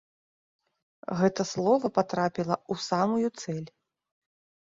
Гэта слова патрапіла ў самую цэль.